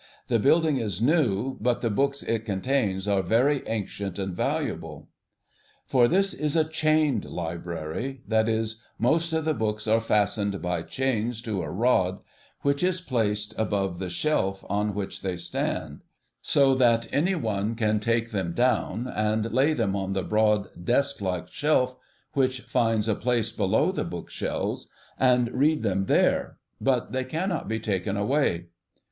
The building is new, but the books it contains are very ancient and valuable. For this is a chained library that is, most of the books are fastened by chains to a rod which is placed above the shelf on which they stand, so that anyone can take them down, and lay them on the broad desk like shelf which finds a place below the bookshelves, and read them there, but they cannot be taken away.